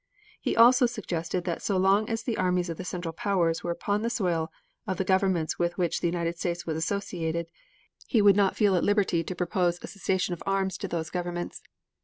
He also suggested that so long as the armies of the Central Powers were upon the soil of the governments with which the United States was associated, he would not feel at liberty to propose a cessation of arms to those governments.